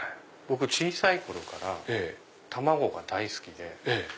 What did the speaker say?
僕小さい頃から卵が大好きで。